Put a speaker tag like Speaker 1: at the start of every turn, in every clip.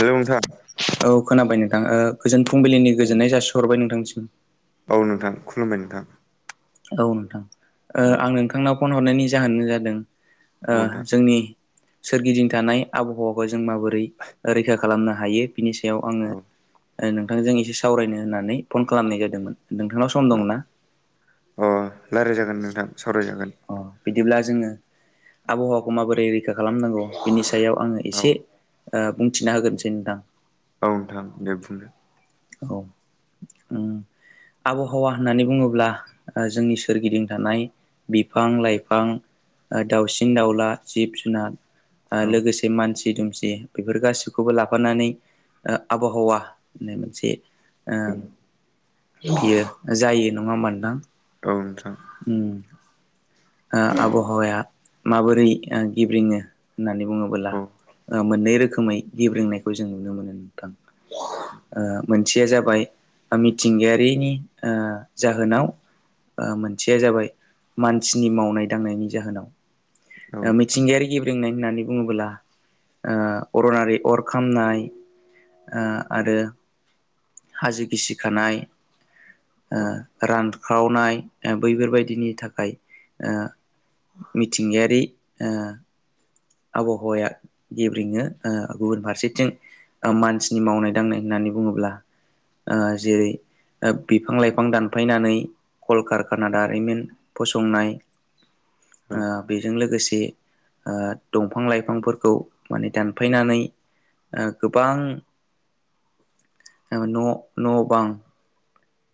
Speaker 1: Hello नोंथां
Speaker 2: औ खोनाबाय नोंथां ओ गोजोन फुंबिलिनि गोजोननाय जासिहरबाय नोंथांसिम
Speaker 1: औ नोंथां खुलुमबाय नोंथां
Speaker 2: औ नोंथां ओ
Speaker 1: औ
Speaker 2: आं नोंथांनाव फन हरनायनि जाहोनानो जादों ओ
Speaker 1: नोंथां
Speaker 2: जोंनि सोरगिदिं थानाय आबहावाखौ जों माबोरै रैखा खालामनो हायो बिनि सायाव आंङो
Speaker 1: औ
Speaker 2: नोंथांजों एसे सावरायनो होननानै फन खालामनाय जादोंमोन नोंथांनाव सम
Speaker 1: औ
Speaker 2: दंना?
Speaker 1: अ रायज्लायजागोन नोंथां सावरायजागोन।
Speaker 2: अ बिदिब्ला जोंङो आबहावाखौ माबोरै रैखा खालामनांगौ बिनि सायाव आंङो
Speaker 1: औ
Speaker 2: एसे ओ बुंथिना होग्रोसै नोंथां
Speaker 1: औ नोंथां दे बुं
Speaker 2: औ उम आबहावा होननानै बुंङोब्ला जोंनि सोरगिदिं थानाय बिफां लाइफां दाउसिन दाउला जिब जुनार ओ
Speaker 1: औ
Speaker 2: लोगोसे मानसि दुमसि दुमसि बेफोर गासिखौबो लाफानानै ओ आबहावा होनाय मोनसे ओ बियो जायो नंङा होमबथां
Speaker 1: औ नोंथां
Speaker 2: उम ओ आबहावाया माबोरै गिब्रिङो होननानै बुंङोबोला
Speaker 1: औ
Speaker 2: मोननै रोखोमै गेब्रेंनायखौ जों नुनो मोनो नोंथां ओ मोनसेया जाबाय मिथिंगायारिनि ओ जाहोनाव ओ मोनसेया जाबाय मानसिनि मावनाय दांनायनि
Speaker 1: औ
Speaker 2: जाहोनाव
Speaker 1: नोंथां
Speaker 2: मिथिंगायारि गे ब्रेंनाय होननानै बुंङोब्ला ओ अरनारि अर खामनाय ओ आरो हाजो गिसिखानाय ओ
Speaker 1: औ
Speaker 2: रान ख्रावनाय बैफोरबायदिनि थाखाय ओ मिथिंगायारि आबहावाया गेब्रेंङो ओ गुबुन फारसेथिं मानसिनि मावनाय दांनाय होननानै बुंङोब्ला ओ जेरै बिफां लाइफां दानफायनानै कलकारखाना दारिमिन फसंनाय
Speaker 1: औ
Speaker 2: ओ बेजों लोगोसे ओ दंफां लाइफांफोरखौ माने दानफायनानै ओ गोबां ओ न' न' बां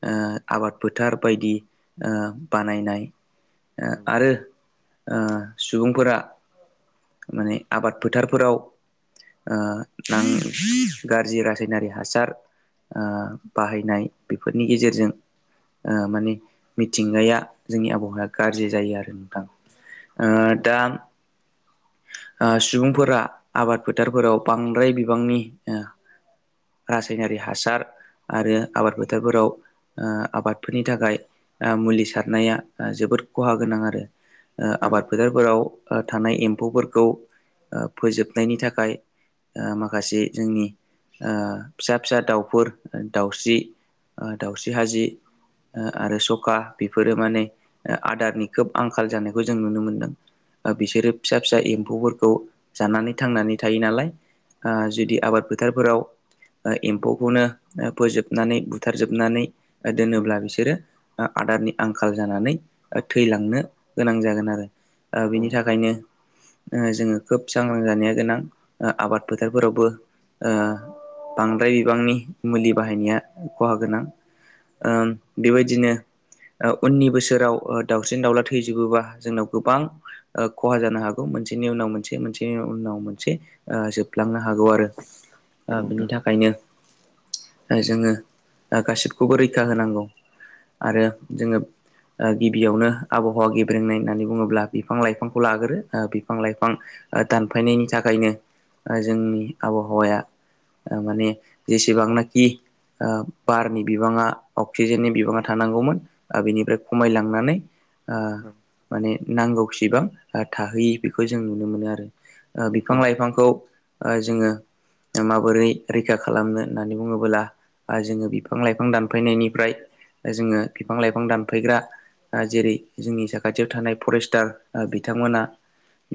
Speaker 2: ओ आबाद फोथार बायदि ओ बानायनाय
Speaker 1: औ
Speaker 2: आरो ओ सुबुंफोरा माने आबाद फोथारफोराव ओ गाज्रि रासायनारि हासार ओ बाहायनाय बेफोरनि गेजेरजों ओ माने मिथिंगाया जोंनि आबहावाया गाज्रि जायो आरो नोंथां ओ दा ओ सुबुंफोरा आबाद फोथारफोराव बांद्राय बिबांनि ओ रासायनारि हासार आरो आबाद फो फोराव ओ आबादफोरनि थाखाय ओ मुलि सारनाया जोबोर खहा गोनां आरो ओ
Speaker 1: औ औ नोंथां औ
Speaker 2: आबाद फोथारफोराव ओ थानाय एम्फौफोरखौ ओ फोजोबनायनि थाखाय ओ माखासे जोंनि ओ फिसा-फिसा दाउफोर दाउसि ओ दाउसि हाजि ओ आरो सखा बेफोरो माने ओ आदारनि खोब आंखाल जानायखौ जों नुनो मोनदों। ओ बिसोरो फिसा - फिसा एम्फौफोरखौ जानानै थांनानै थायो नालाय। ओ जुदि आबाद फोथारफोराव एम्फौखोनो फोजोबनानै बु थारजोबनानै दोनोब्ला बिसोरो ओ आदारनि आंखाल जानानै थैलांनो गोनां जागोन आरो। ओ बिनि
Speaker 1: नोंथां
Speaker 2: थाखायनो ओ जोङो खोब सांग्रां जानाया गोनां ओ आबाद फोथारफोरावबो ओ बांद्राय बिबांनि मुलि बाहायनाया खहा गोनां। ओम बेबायदिनो ओ उननि बोसोराव ओ दाउसिन दाउला थैजोबोबा जोंनाव गोबां ओ खहा जानो हागौ मोनसेनि उनाव मोनसे मोनसेनि उनाव मोनसे ओ जोबलांनो हागौ आरो ओ बिनि थाखायनो ओ जोङो ओ गासिखौबो रैखा होनांगौ आरो जोङो ओ गिबियावनो आबहावा गेब्रेंनाय होननानै बुङोब्ला बिफां लाइफांखौ लागोरो ओ बिफां लाइफां ओ दानफायनायनि थाखायनो ओ जोंनि आबहावाया माने जेसेबांनाखि ओ बारनि बिबाङा अक्सिजेननि बिबाङा थानांगौमोन ओ बेनिफ्राय खमायलांनानै ओ माने नांगौसिबां ओ थाहैयि बेखौ जों नुनो मोनो आरो। ओ बिफां लाइफांखौ ओ जोङो माबोरै रैखा खालामनो होननानै बुङोब्ला आ जोङो बिफां लाइफां दानफायनायनिफ्राय जोङो बिफां लाइफां दानफैग्रा आ जेरै जोंनि साखाथियाव थानाय फरेस्टार ओ बिथांमोना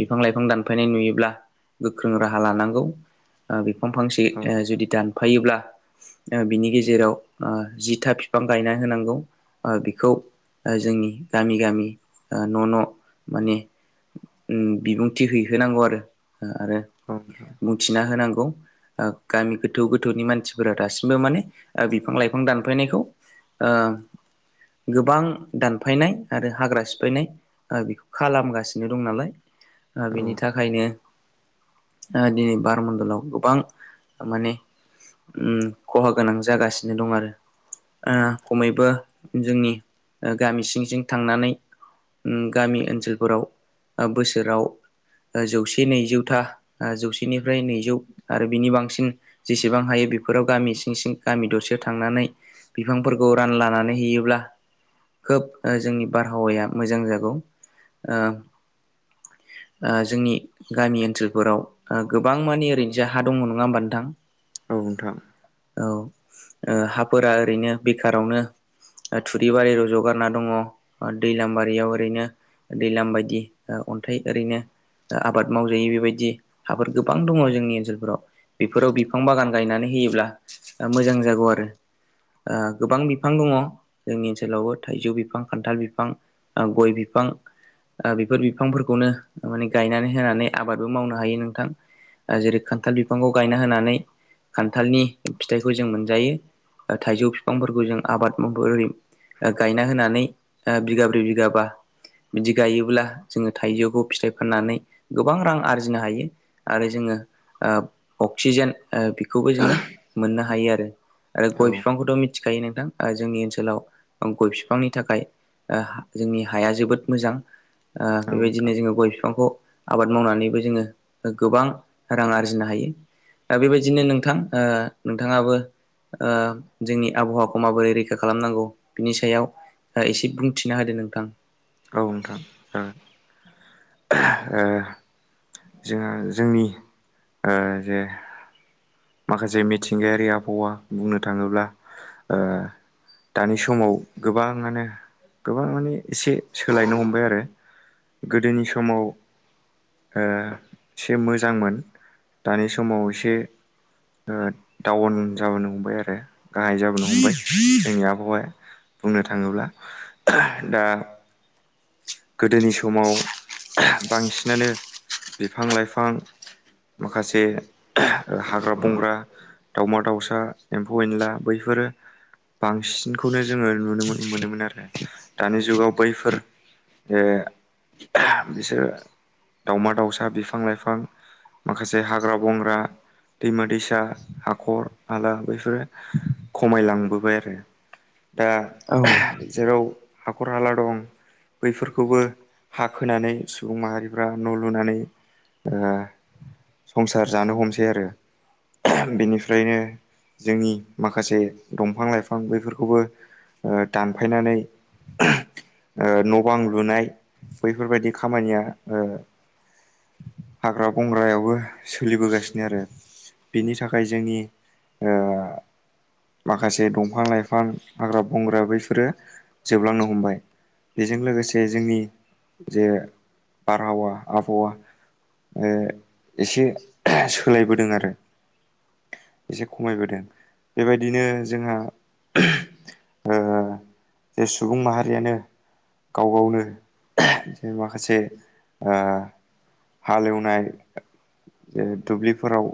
Speaker 2: बिफां लाइफां दानफायनाय नुयोब्ला गोख्रों राहा लानांगौ। ओ बिफां फांसे आ जुदि दानफायोब्ला आ बिनि गेजेराव ओ जिथा बिफां गायना होनांगौ ओ बिखौ ओ जोंनि गामि-गामि ओ न'- न' माने उम बिबुंथि हैहोनांगौ आरो ओ आरो
Speaker 1: औ नोंथां
Speaker 2: बुंथिना होनांगौ ओ गामि गोथौ-गोथौनि मानसिफोरा दासिमबो माने आ बिफां लाइफां दानफायनायखौ ओ गोबां दानफायनाय आरो हाग्रा सिफायनाय आ बेखौ खालामगासिनो दं नालाय ओ बिनि
Speaker 1: औ
Speaker 2: थाखायनो ओ दिनै बारमडलाव गोबां माने उम खहा गोनां जागासिनो दं आरो। ओ खमैबो जोंनि गामि सिं-सिं थांनानै उम गामि ओनसोलफोराव ओ बोसोराव ओ जौसे नैजौथा ओ जौसेनिफ्राय नैजौ आरो बिनि बांसिन जेसेबां हायो बेफोराव गामि सिं - सिं गामि दरसेयाव थांनानै बिफांफोरखौ रानलानानै
Speaker 1: औ
Speaker 2: हैयोब्ला खोब ओ जोंनि बारहावाया मोजां जागौ ओ ओ जोंनि गामि ओनसोलफोराव ओ गोबां मानि ओरैनोसो हा दङ नङा ओमबा नोंथां?
Speaker 1: औ नोंथां।
Speaker 2: औ ओ हाफोरा ओरैनो बेखारावनो ओ थुरि बारि रज'गारना दङ ओ दैलां बारियाव ओरैनो दैलाम बायदि ओ अन्थाइ ओरैनो ओ आबाद मावजाय बेबायदि हाबफोर गोबां दङ जोंनि ओनसोलफोराव। बेफोराव बिफां बागान गायनानै होयोब्ला ओ मोजां जागौ आरो ओ गोबां बिफां दङ जोंनि ओनसोलावबो थाइजौ बिफां खान्थाल बिफां। ओ गय बिफां ओ बेफोर बिफांफोरखौनो माने गायनानै होनानै आबादबो मावनो हायो नोंथां। ओ जेरै खान्थाल बिफांखौ गायना होनानै खान्थालनि फिथाइखौ जों मोनजायो। ओ थाइजौ बिफांफोरखौ जों आबाद मावबो ओरै ओ गायना होनानै ओ बिगाब्रै बिगाबा बिदि गायोब्ला जोङो थाइजौखौ फिथाइ फाननानै गोबां रां आरजिनो हायो। आरो जोङो ओब अक्सिजेन ओ बेखौबो जोङो मोननो हायो आरो आरो गय फिफांखौथ' मिथिखायो नोंथां जोंनि ओनसोलाव ओ गय बिफांनि थाखाय ओ जोंनि हाया जोबोद मोजां ओ बेबायदिनो जोङो गय फिफांखौ आबाद मावनानैबो जोङो गोबां रां आरजिनो हायो। दा बेबायदिनो नोंथां ओ नोंथाङाबो ओ जोंनि आबहावाखौ माबोरै रैखा खालामनांगौ बिनि सायाव खाय एसे बुंथिना होदो नोंथां।
Speaker 1: औ नोंथां ओ ओ जोंहा जोंनि ओ जे माखासे मिथिंगायारि आबहावा बुंनो थाङोब्ला ओ दानि समाव गोबाङानो गोबां माने एसे सोलायनो हमबाय आरो गोदोनि समाव ओ एसे मोजांमोन दानि समाव इसे ओद दाउन जाबोनो हमबाय आरो गाहाय जाबोनो हमबाय जोंनि आबहावाया बुंनो थाङोब्ला दा गोदोनि समाव बांसिनानो बिफां लाइफां माखासे हाग्रा बंग्रा दाउमा दाउसा एम्फौ एनला बैफोरो बांसिनखौनो जोङो नुनो मोन मोनोमोन आरो दानि जुगाव बैफोर ओ बिसोर दाउमा दाउसा बिफां लाइफां माखासे हाग्रा बंग्रा दैमा दैसा हाखर हाला बेैफोरो खमायलांबोबाय आरो दा
Speaker 2: औ
Speaker 1: जेराव हाखर हाला दं बैफोरखौबो हाखोनानै सुबुं माहारिफ्रा न' लुनानै ओ संसार जानो हमसै आरो बिनिफ्रायनो जोंनि माखासे दंफां लाइफां बेैफोरखौबो ओ दानफायनानै ओ नब बां लुनाय बैफोरबायदि खामानिया ओ हाग्रा बंग्रायावबो सोलिबोगासिनो आरो बिनि थाखाय जोंनि ओ माखासे दंफां लाइफां हाग्रा बंग्रा बैफोरो जोबलांनो हमबाय। जों लोगोसे जोंनि जे बारहावा आबहावा ओ एसे सोलायबोदों आरो एसे खमायबोदों बेबायदिनो जोंहा
Speaker 2: [inaudible]
Speaker 1: ओ सुबुं माहारियानो गाव गावनो [unintelligible] जे माखासे ओ हालेवनाय जे दुब्लिफोराव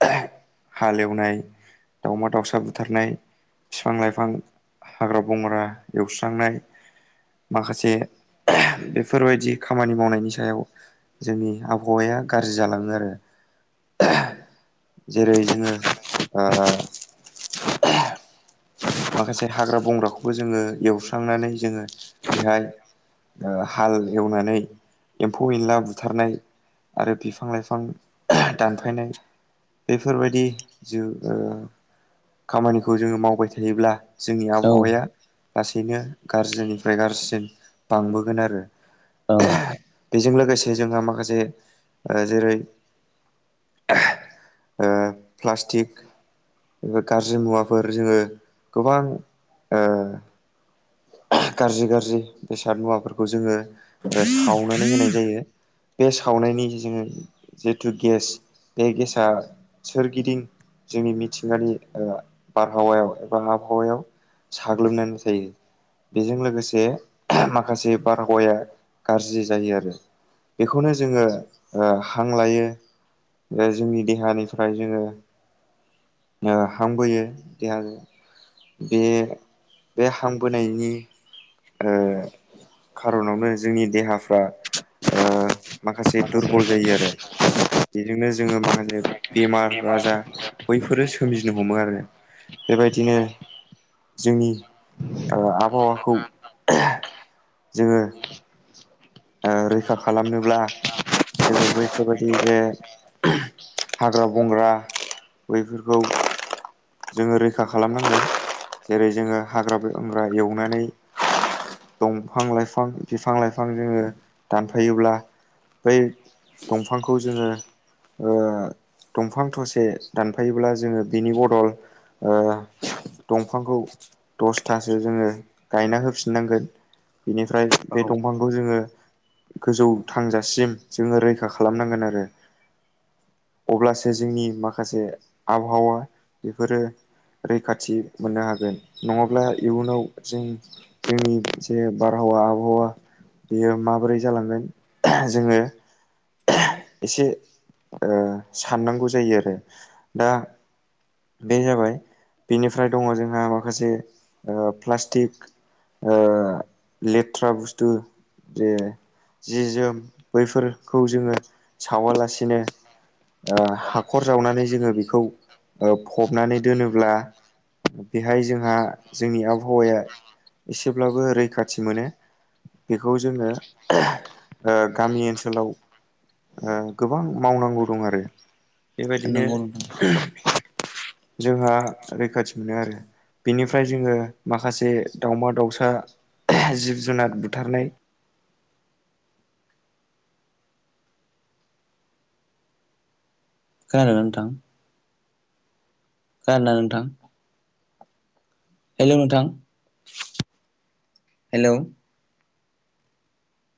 Speaker 1: [unintelligible] हालेवनाय दावमा दाउसा बुथारनाय फिफां लाइफां हाग्रा बंग्रा एवस्रांनाय माखासे [unintelligible] बेफोरबायदि खामानि मावनायनि सायाव जोंनि आबहावाया गाज्रि जालाङो आरो। [unintelligible] जेरै- जोङो ओ माखासे हाग्रा बंग्राखौबो जोङो एवस्रांनानै जोङो बेहाय ओ हाल एवनानै एम्फौ एनला बुथारनाय आरो बिफां लाइफां [unintelligible] दानफायनाय बेफोरबायदि जो ओ खामानिखौ जोङो मावबाय। थायोब्ला जोंनि
Speaker 2: औ
Speaker 1: आबहावाया लासैनो गाज्रिनिफ्राय गाज्रिसिन बांबोगोन आरो।
Speaker 2: औ
Speaker 1: [unintelligible] बेजों लोगोसे जोंहा माखासे ओ जेरै- [unintelligible] ओ प्लास्टिक गाज्रि मुवाफोर जोङो गोबां ओ [unintelligible] गाज्रि गाज्रि बेसाद मुवाफोरखौ जोङो ओ सावनानै होनाय जायो। बे सावनायनि जोङो जिथु गेस बे गेसआ सोरगिदिं जोंनि मिथिंगानि ओ बारहावायाव एबा आबहावायाव साग्लोबनानै थायो। बेजों लोगोसे [unintelligible] माखासे बारहावाया गाज्रि जायो आरो। बेखौनो जोङो ओ हां लायो। बै जोंनि देहानिफ्राय जोङो ओ हां बोयो देहाजों बे बे हां बोनायनि ओ खार'नावनो जोंनि देहाफ्रा ओ माखासे दुरबल जायो आरो बेजोंनो जोङो माखासे बेमार राजा बैफ फोरो सोमजिनो हमो आरो बेबायदिनो जोंनि ओ आब हावाखौ जोङो ओ रैखा खालामनोब्ला जोङो बैफोरबायदि जे [unintelligible] हाग्रा बंग्रा बैफोरखौ जोङो रैखा खालामनांगोन जेरै- जोङो हाग्रा बंग्रा एवनानै दंफां लाइफां बिफां लाइफां जोङो दानफायोब्ला बै दंफांखौ जोङो ओ दंफां थसे दानफायोब्ला जोङो बेनि बदल ओ दंफांखौ दसथासो जोङो गायना होफिननांगोन बिनिफ्राय
Speaker 2: औ
Speaker 1: बे दंफांखौ जोङो गोजौ थांजासिम जोङो रैखा खालामनांगोन आरो अब्लासो जोंनि माखासे आबहावा बेफोरो रैखाथि मोननो हागोन नङाब्ला इयुनाव जों जोंनि जे बारहावा आबहावा बेयो माबोरै जालांगोन जोङो [unintelligible] एसे ओ साननांगौ जायो आरो दा बे जाबाय बेनिफ्राय दङ जोंहा माखासे ओ प्लास्टिक ओ लेथ्रा बुस्थु जे जि जोम बैफोरखौ जोङो सावालासिनो ओ हाखर जावनानै जोङो बेखौ फबनानै दोनोब्ला बेहाय जोंहा जोंनि आबहावाया एसेब्लाबो रैखाथि मोनो बेखौ जोङो गामि ओनसोलाव गोबां मावनांगौ दं आरो बेबायदिनो
Speaker 2: नंगौ नोंथां
Speaker 1: जोंहा रैखाथि मोनो आरो बेनिफ्राय जोङो माखासे दाावमा दाावसा जिब जुनार बुथारनाय
Speaker 2: खोनादों नोंथां गारना नोंथां हेल' नोंथां हेल'